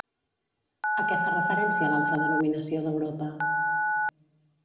A què fa referència l'altra denominació d'Europa?